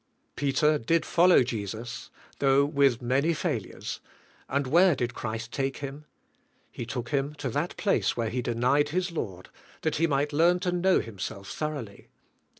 Peter did follow Jesus, though with many failures, and where did Christ take him? He took him to that place where he denied his Lord that he might learn to know himself thoroughly.